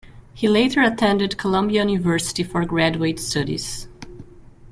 He later attended Columbia University for graduate studies.